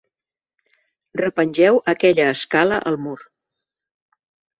Repengeu aquella escala al mur.